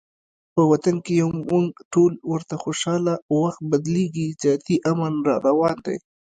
په وطن کې یو مونږ ټول ورته خوشحاله، وخت بدلیږي زیاتي امن راروان دی